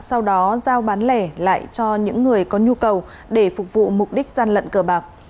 sau đó giao bán lẻ lại cho những người có nhu cầu để phục vụ mục đích gian lận cờ bạc